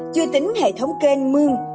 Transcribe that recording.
chưa tính hệ thống kênh mương